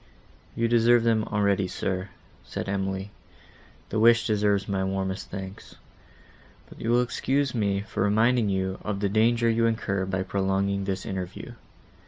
"You deserve them already, sir," said Emily; "the wish deserves my warmest thanks. But you will excuse me for reminding you of the danger you incur by prolonging this interview.